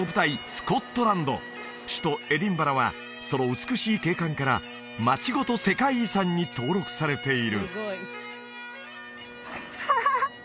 スコットランド首都エディンバラはその美しい景観から街ごと世界遺産に登録されているハハハ